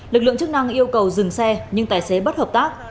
lực lượng chức năng yêu cầu dừng xe nhưng tài xế bất hợp tác